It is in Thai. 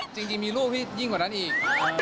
จริงมีลูกที่ยิ่งกว่านั้นอีก